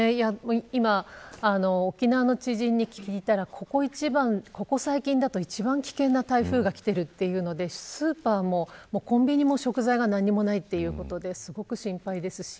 今、沖縄の知人に聞いたらここ最近だと一番危険な台風がきているということでスーパーもコンビニも食材が何もないということですごく心配です。